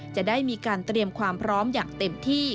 จะได้มีการเตรียมความพร้อมอย่างเต็มที่